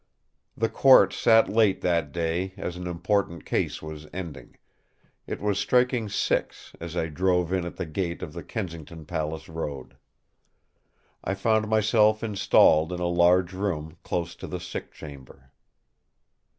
The Court sat late that day as an important case was ending; it was striking six as I drove in at the gate of the Kensington Palace Road. I found myself installed in a large room close to the sick chamber.